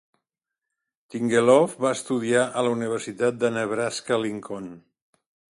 Tingelhoff va estudiar a la Universitat de Nebraska-Lincoln.